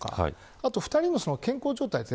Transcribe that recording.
あとは２人の健康状態です。